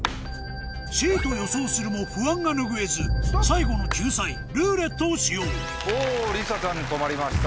Ｃと予想するも不安が拭えず最後の救済「ルーレット」を使用りさちゃんに止まりました。